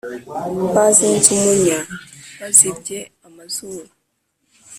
Bazinze umunya Bazibye amazuru